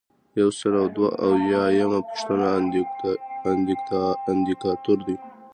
یو سل او دوه اویایمه پوښتنه اندیکاتور دی.